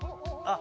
あ